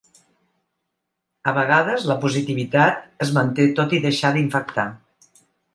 A vegades la positivitat es manté tot i deixar d’infectar.